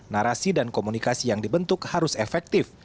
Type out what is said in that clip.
narasi dan komunikasi yang dibentuk harus efektif